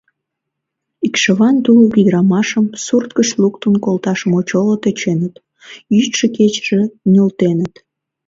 Икшыван тулык ӱдрамашым сурт гыч луктын колташ мочоло тӧченыт, йӱдшӧ-кечыже нултеныт!